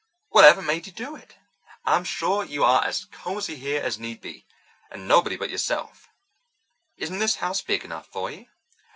"Whatever made you do it? I'm sure you are as cosy here as need be, and nobody but yourself. Isn't this house big enough for you?"